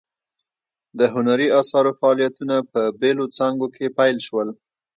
د هنري اثارو فعالیتونه په بیلو څانګو کې پیل شول.